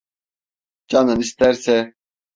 Canın isterse!